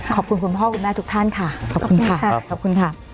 ขอบคุณคุณพ่อคุณแม่ทุกท่านค่ะขอบคุณค่ะขอบคุณค่ะ